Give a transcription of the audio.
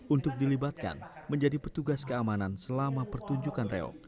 untuk dilibatkan menjadi petugas keamanan selama pertunjukan reok